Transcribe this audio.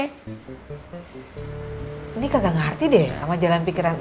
ini kagak ngerti deh sama jalan pikiran